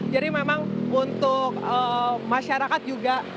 jadi memang untuk masyarakat juga